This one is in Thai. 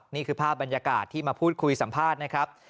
นี่คือภาพบรรยากาศที่มาพูดคุยสัมภาษณ์นะครับ